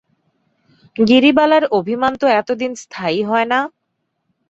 গিরিবালার অভিমান তো এতদিন স্থায়ী হয় না।